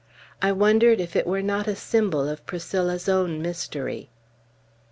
I wondered if it were not a symbol of Priscilla's own mystery.